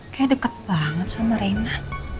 kayaknya deket banget sama rena